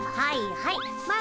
はいはい。